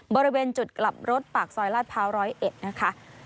บริเวณจุดกลับรถปากซอยลาดพร้าว๑๐๑นะคะ